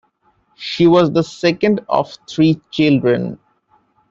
She was the second of three children.